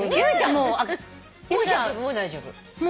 もう大丈夫。